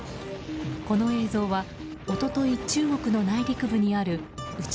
この映像は一昨日、中国の内陸部にある内